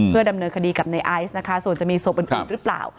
เพื่อดำเนินคดีกับนายไอซ์นะคะส่วนจะมีศพเป็นอีกหรือเปล่า